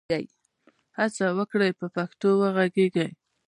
هڅه وکړئ په پښتو وږغېږئ.